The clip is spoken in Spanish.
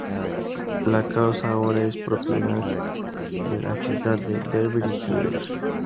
La casa ahora es propiedad de la ciudad de Beverly Hills.